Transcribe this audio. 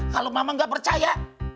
kalau mama gak percaya